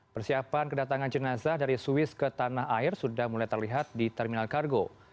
persiapan kedatangan jenazah dari swiss ke tanah air sudah mulai terlihat di terminal kargo